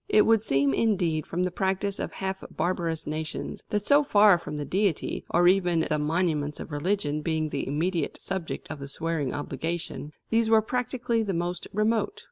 It would seem, indeed, from the practice of half barbarous nations, that so far from the Deity, or even the monuments of religion, being the immediate subject of the swearing obligation, these were practically the most remote.